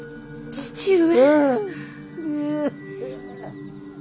父上。